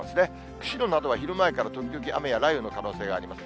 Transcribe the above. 釧路などは昼前から時々雨や雷雨の可能性があります。